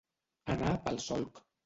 Anar pel solc.